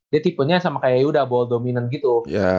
dia tipenya sama kayak yuda ball dominant gitu